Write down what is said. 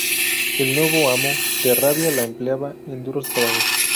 El nuevo amo de Rabia la empleaba en duros trabajos.